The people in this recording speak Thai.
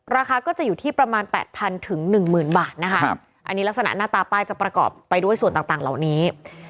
ราคาก็จะอยู่ที่ประมาณ๘๐๐๑๐๐บาทนะคะอันนี้ลักษณะหน้าตาป้ายจะประกอบไปด้วยส่วนต่างเหล่านี้